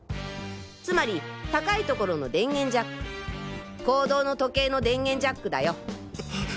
つまり高い所の電源ジャック講堂の時計の電源ジャックだよ。